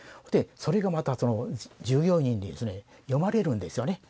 それがまた従業員に読まれるんですよね